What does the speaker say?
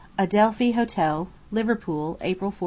ADELPHI HOTEL, LIVERPOOL, April 14.